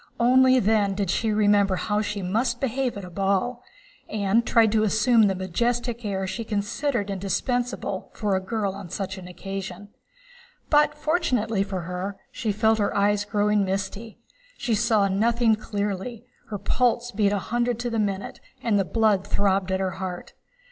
Only then did she remember how she must behave at a ball, and tried to assume the majestic air she considered indispensable for a girl on such an occasion. But, fortunately for her, she felt her eyes growing misty, she saw nothing clearly, her pulse beat a hundred to the minute, and the blood throbbed at her heart.